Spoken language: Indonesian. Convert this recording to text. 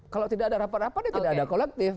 kalau tidak ada rapat rapat ya tidak ada kolektif